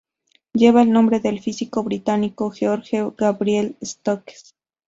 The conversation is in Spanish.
Lleva el nombre del físico británico George Gabriel Stokes.